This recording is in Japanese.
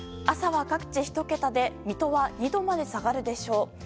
朝は、各地１桁で水戸は２度まで下がるでしょう。